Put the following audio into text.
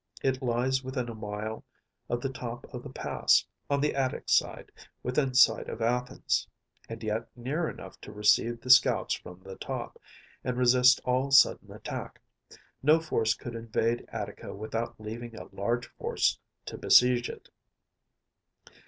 It lies within a mile of the top of the pass, on the Attic side, within sight of Athens, and yet near enough to receive the scouts from the top, and resist all sudden attack. No force could invade Attica without leaving a large force to besiege it.